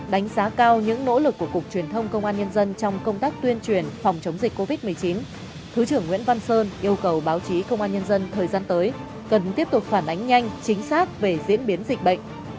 đánh giá cao những nỗ lực của cục truyền thông công an nhân dân trong công tác tuyên truyền phòng chống dịch covid một mươi chín thứ trưởng nguyễn văn sơn yêu cầu báo chí công an nhân dân thời gian tới cần tiếp tục phản ánh nhanh chính xác về diễn biến dịch bệnh